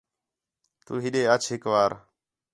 تُو ہِݙے اَچ ہِک وار